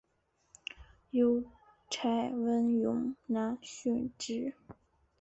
邮差温勇男殉职。